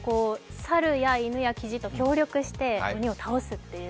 猿や犬やキジと協力して鬼を倒すっていう。